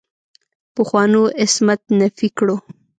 پخوانو عصمت نفي کړو.